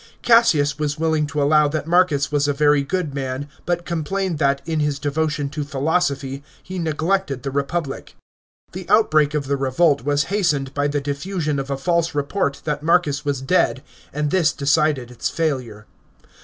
Gassius was willing to allow that Marcus was a very good man, but complained that, in his devotion to philosophy, he neglected the republic. The out break of the revolt was hastened by the diffusion of a false report that Marcus was dead, and this decided its failure.